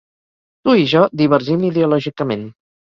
Tu i jo divergim ideològicament.